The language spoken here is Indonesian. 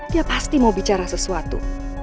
dia pasti mau bicara sesuatu